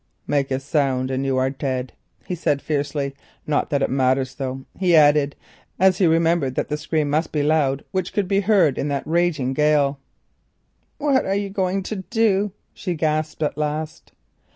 "Make a sound and you are dead," he said fiercely. "Not that it matters though," he added, as he remembered that the scream must be loud which could be heard in that raging gale. "What are you going to do?" she gasped at last.